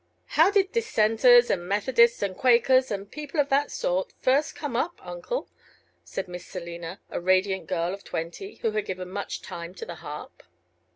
"How did Dissenters, and Methodists, and Quakers, and people of that sort first come up, uncle?" said Miss Selina, a radiant girl of twenty, who had given much time to the harp.